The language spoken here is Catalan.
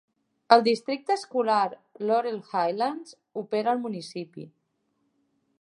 El districte escolar Laurel Highlands opera al municipi.